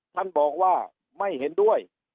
ท่านบอกว่าไม่เห็นด้วย